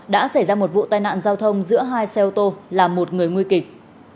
đã xảy ra một vụ tai nạn giao thông giữa hai xe ô tô là một người nguy kịch